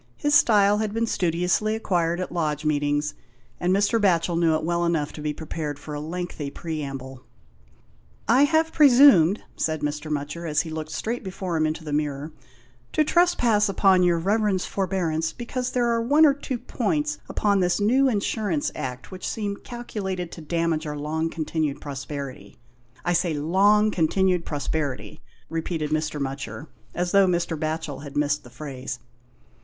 His style had been studiously acquired at Lodge meetings, and Mr. Batchel knew it well enough to be prepared for a lengthy preamble. " I have presumed," said Mr. Mutcher, as he looked straight before him into the mirror, " to trespass upon your Reverence's forbearance, 128 THE INDIAN LAMP SHADE. because there are one or two points upon this new Insurance Act which seem calculated to damage our long continued prosperity — I say long continued prosperity," repeated Mr. Mutcher, as though Mr. Batchel had missed the phrase.